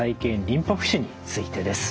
・リンパ浮腫についてです。